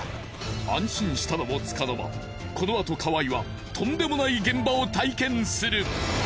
安心したのも束の間このあと河合はとんでもない現場を体験する。